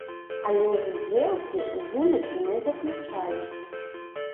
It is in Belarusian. Але здзелкі ў выніку не заключаліся.